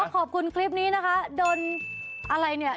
ขอบคุณคลิปนี้นะคะโดนอะไรเนี่ย